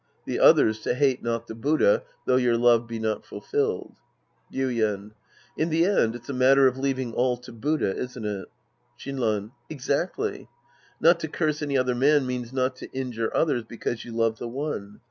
The other's to hate not the Buddha though your love be not fulfilled. Yuien. In the end, it's a matter of leaving all to Buddha, isn't it ? Shinran. Exactly. Not to curse any other man means not to injure others because you love the one.